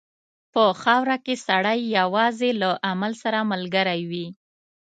په خاوره کې سړی یوازې له عمل سره ملګری وي.